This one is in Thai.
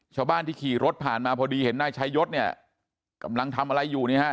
ชาวบ้านที่ขี่รถผ่านมาพอดีเห็นนายชายศเนี่ยกำลังทำอะไรอยู่เนี่ยฮะ